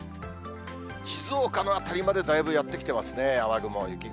静岡の辺りまでだいぶやって来てますね、雨雲、雪雲。